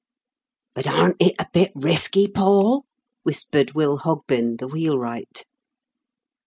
" But aren't it a bit risky, Paul?" whispered Will Hogben, the wheelwright.